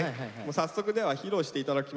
早速では披露して頂きましょう。